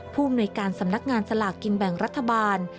ผู้อำนวยการสำนักงานสลากกินแบ่งรัฐบาล